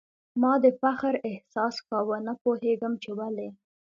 ما د فخر احساس کاوه ، نه پوهېږم چي ولي ؟